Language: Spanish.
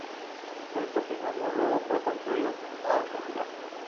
El topónimo luego fue traducido al castellano.